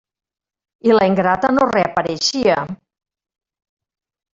I la ingrata no reapareixia!